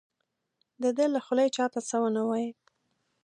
د ده له خولې چا ته څه ونه وایي.